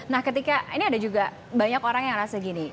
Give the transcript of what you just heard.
nah ketika ini ada juga banyak orang yang rasa gini